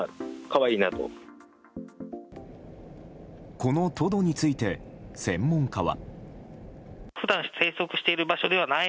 このトドについて専門家は。